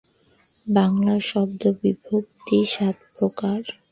বাংলা শব্দ-বিভক্তি সাত প্রকার।